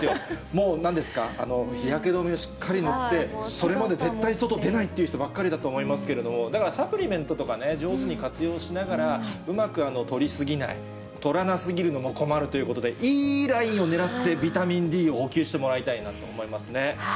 もう、なんですか、日焼け止めをしっかり塗って、それまで絶対外出ないという人ばっかりだと思いますけれども、だから、サプリメントとかね、上手に活用しながら、うまくとり過ぎない、とらなすぎるのも困るということで、いいラインを狙って、ビタミンＤを補給してもらいたいなと思いますね。